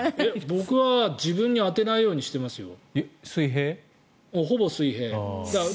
僕は自分に当てないようにしてますよ。